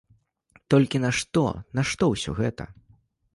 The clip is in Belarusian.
Толькі нашто, нашто ўсё гэта?